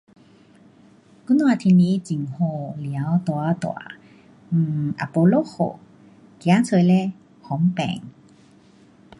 今天天气很好，太阳大大，um 也没下雨，走出嘞方便。